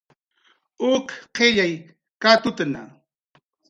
Uk qillay katutna